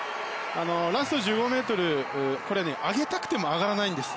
ラスト１５ｍ上げたくても上がらないんです。